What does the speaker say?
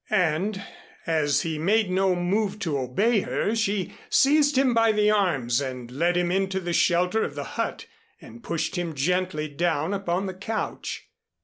And, as he made no move to obey her, she seized him by the arms and led him into the shelter of the hut and pushed him gently down upon the couch.